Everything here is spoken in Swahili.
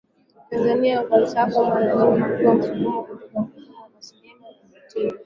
Tanzania MwanaFalsafa mara nyingi hupewa msukumo kutoka kwa kusoma na sinema na ana mtindo